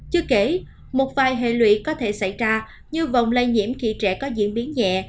chưa kể một vài hệ lụy có thể xảy ra như vòng lây nhiễm khi trẻ có diễn biến nhẹ